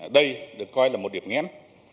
đây được coi là một điểm nghen